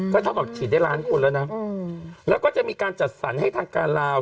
ก็เท่าแบบฉีดได้ล้านคนแล้วนะแล้วก็จะมีการจัดสรรให้ทางการลาว